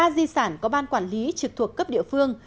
ba di sản có ban quản lý trực thuộc cấp địa phương